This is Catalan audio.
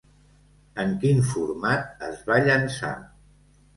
En quin format es va llançar?